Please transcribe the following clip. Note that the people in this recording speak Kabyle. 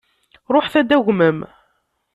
Ruḥet ad d-tagmem.